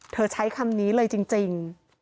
ใช้คำนี้เลยจริง